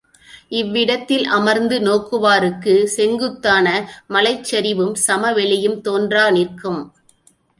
இவ்விடத்தில் அமர்ந்து நோக்குவார்க்குச் செங்குத்தான மலைச் சரிவும், சமவெளிகளும் தோன்றா நிற்கும்.